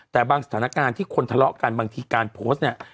แต่บางสถานการณ์ที่คนทะเลาะกันบางทีการโพสต์เนี่ย